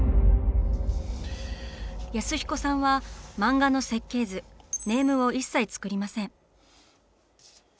安彦さんは漫画の設計図「ネーム」を一切作りません。